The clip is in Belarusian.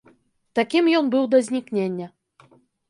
Такім ён быў да знікнення.